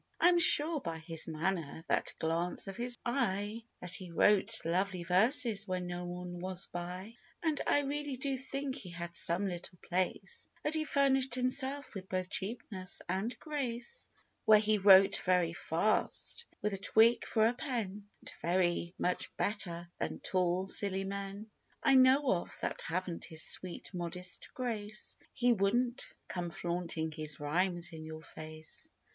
I am sure, by his manner, — that glance of his eye, — That he wrote lovely verses when no one was by. And I really do think he had some little place, That he furnished himself with both cheapness and grace, Where he wrote very fast, with a twig for a pen ; And very much better than tall, silly men I know of, that haven't his sweet, modest grace : He wouldn't come flaunting his rhymes in your face ! 102 THE OLD MAGPIE.